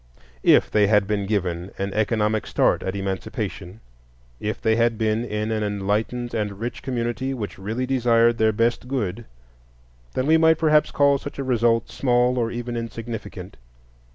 If they had been given an economic start at Emancipation, if they had been in an enlightened and rich community which really desired their best good, then we might perhaps call such a result small or even insignificant.